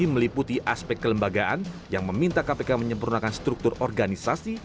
meliputi aspek kelembagaan yang meminta kpk menyempurnakan struktur organisasi